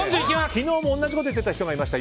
昨日も同じこと言ってる人いました。